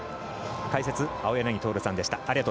解説、青柳徹さんでした。